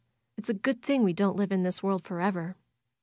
It's a good thing we don't live in this world forever